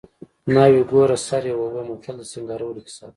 ناوې ګوره سر یې اوبه متل د سینګارولو کیسه ده